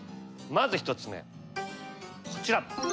まず１つ目こちら。